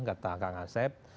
gak tak akan ngasep